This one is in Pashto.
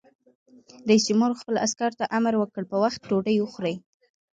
رئیس جمهور خپلو عسکرو ته امر وکړ؛ په وخت ډوډۍ وخورئ!